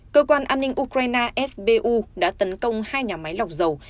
cơ quan an ninh ukraine sbu đã tấn công hai nhà máy lọc dầu